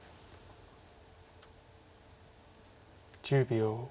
１０秒。